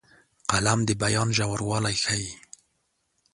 قلم د بیان ژوروالی ښيي